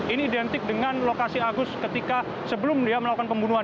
ini identik dengan lokasi agus ketika sebelum dia melakukan pembunuhan